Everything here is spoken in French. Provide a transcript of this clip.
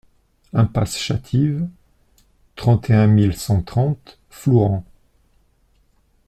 IMPASSE CHATIVE, trente et un mille cent trente Flourens